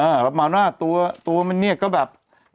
เออรับมาว่าน่ะตัวมันเนี่ยก็แบบ